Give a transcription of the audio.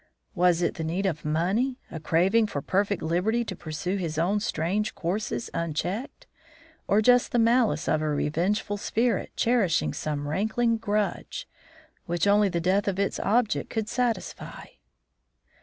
Was it the need of money, a craving for perfect liberty to pursue his own strange courses unchecked, or just the malice of a revengeful spirit cherishing some rankling grudge, which only the death of its object could satisfy?"